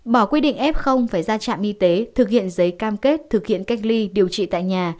bỏ quy định f phải ra trạm y tế thực hiện giấy cam kết thực hiện cách ly điều trị tại nhà